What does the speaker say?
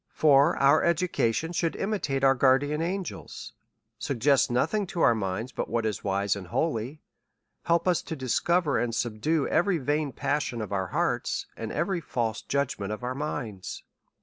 For our education should imitate our guardian an gels, suggest nothing to our minds but what is wise and holy ; help us to discover and subdue every vain passion of our hearts, and every false judgment of our minds.